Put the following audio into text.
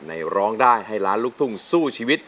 ร้องได้ให้ล้านลูกทุ่งสู้ชีวิต